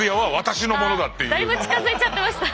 だいぶ近づいちゃってました。